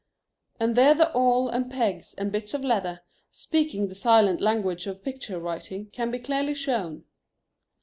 And there the awl and pegs and bits of leather, speaking the silent language of picture writing, can be clearly shown.